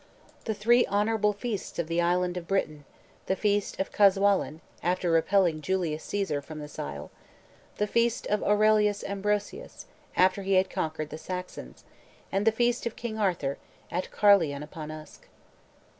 "The three honorable feasts of the island of Britain: The feast of Caswallaun, after repelling Julius Caesar from this isle; The feast of Aurelius Ambrosius, after he had conquered the Saxons; And the feast of King Arthur, at Carleon upon Usk."